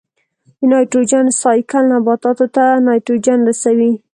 د نایټروجن سائیکل نباتاتو ته نایټروجن رسوي.